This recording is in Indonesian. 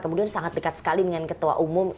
kemudian sangat dekat sekali dengan ketua umum